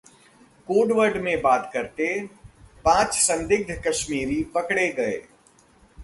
code word में बात करते पांच संदिग्ध कश्मीरी पकड़े गए